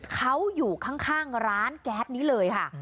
เขาอยู่ข้างร้านแก๊สนี้เลยค่ะ